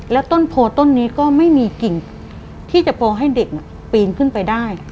แล้วต้นโพต้นนี้ก็ไม่มีกิ่งที่จะโปรให้เด็กปีนขึ้นไปได้